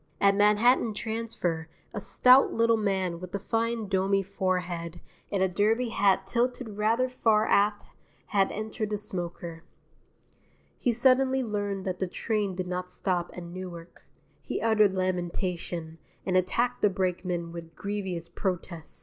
At Manhattan Transfer a stout little man with a fine domy forehead and a derby hat tilted rather far aft had entered the smoker. He suddenly learned that the train did not stop at Newark. He uttered lamentation, and attacked the brakeman with grievous protest.